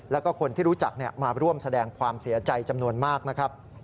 แล้วก็คนที่รู้จักมาร่วมแสดงความเสียใจจำนวนมากนะครับ